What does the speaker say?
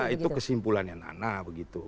itu kesimpulannya nana begitu